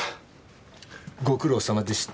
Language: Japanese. ご苦労様でした。